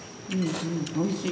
おいしい。